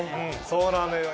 そうなの。